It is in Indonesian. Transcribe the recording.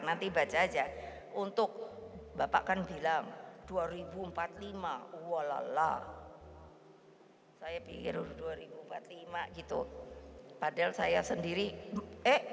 nanti baca aja untuk bapak kan bilang dua ribu empat puluh lima walalah saya pikir dua ribu empat puluh lima gitu padahal saya sendiri eh